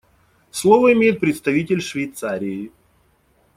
Слово имеет представитель Швейцарии.